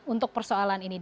untuk persoalan ini